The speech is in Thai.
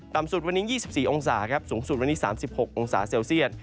สุดวันนี้๒๔องศาครับสูงสุดวันนี้๓๖องศาเซลเซียต